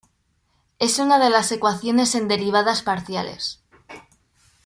Es una de las ecuaciones en derivadas parciales.